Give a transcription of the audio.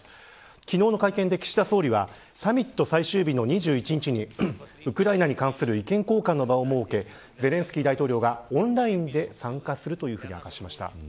昨日の会見で、岸田総理はサミット最終日の２１日にウクライナに関する意見交換の場を設けゼレンスキー大統領がオンラインで参加するというふうに明かしました。